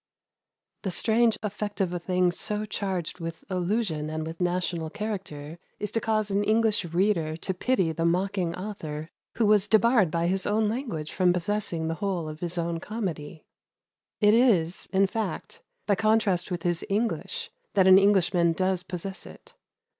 The strange effect of a thing so charged with allusion and with national character is to cause an English reader to pity the mocking author who was debarred by his own language from possessing the whole of his own comedy. It is, in fact, by contrast with his English that an Englishman does possess it.